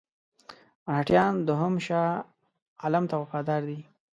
مرهټیان دوهم شاه عالم ته وفادار دي.